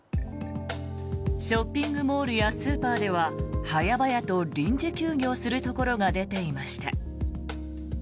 ショッピングモールやスーパーでは早々と臨時休業するところが出ていました。